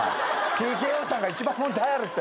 ＴＫＯさんが一番問題あるって。